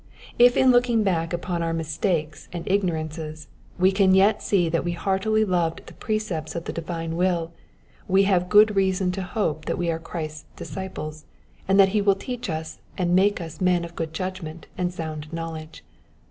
If in looking back upon our mistakes and ignorances we can yet see that we heartily loved the precepts of the divine will, we have good reason to hope that we are Christ's disciples, and that he will teach us and make us men of good judgment and sound knowledge.